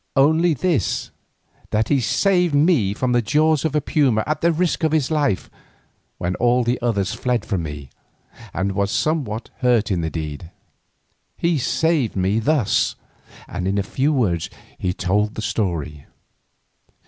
"Only this, that he saved me from the jaws of a puma at the risk of his life when all the others fled from me, and was somewhat hurt in the deed. He saved me thus—" and in few words he told the story.